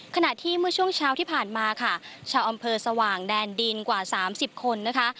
ขณะที่เมื่อช่วงเช้าที่ผ่านมาค่ะชาวอำเภอสว่างแดนดินกว่า๓๐คนนะคะ